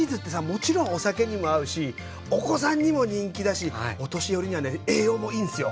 もちろんお酒にも合うしお子さんにも人気だしお年寄りにはね栄養もいいんすよ。